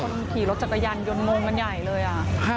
คนขี่รถจัดรัยันหยนนมงกันใหญ่เลยอ่ะ